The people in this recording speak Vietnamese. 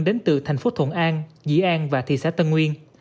đến từ thành phố thuận an dĩ an và thị xã tân nguyên